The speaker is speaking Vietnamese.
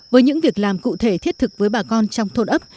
với những việc làm cụ thể thiết thực với bà con trong thôn ấp